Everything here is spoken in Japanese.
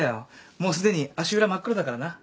もうすでに足裏真っ黒だからな。